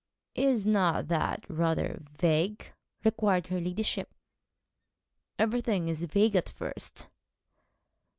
'Is not that rather vague?' inquired her ladyship. 'Everything is vague at first.'